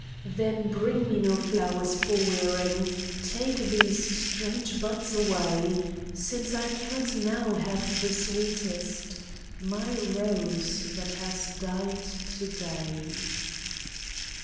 Then bring me no flowers for wearing, Take these strange buds away, Since I cannot now have the sweetest : My rose that has died to day.